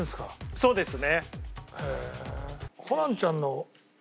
そうですね。